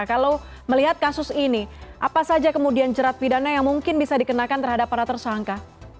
kalau melihat kasus ini apa saja kemudian jerat pidana yang mungkin bisa dikenakan terhadap para tersangka